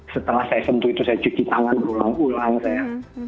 setelah saya sentuh itu saya cuci tangan berulang ulang saya